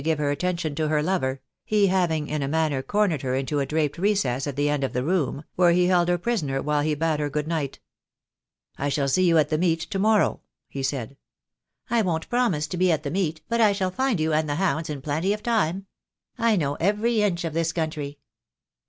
give her attention to her lover, he having in a manner cornered her into a draped recess at the end of the room, where he held her prisoner while he bade her good night. "I shall see you at the meet to morrow," he said. "I won't promise to be at the meet, but I shall find you and the hounds in plenty of time. I know every inch of this country."